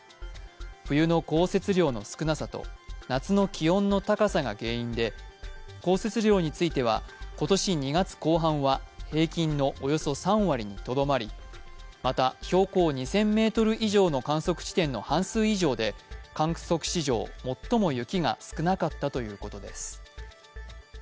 冬の降雪量の少なさと、夏の気温の高さが原因で降雪量については今年２月後半は平均のおよそ３割にとどまりまた、標高２０００ｍ以上の観測地点の半数以上で観測史上最も雪が少なかったということです。